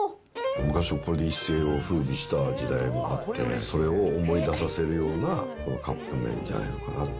昔はこれで一世をふうびした時代もあって、それを思い出させるようなこのカップ麺じゃないのかなって。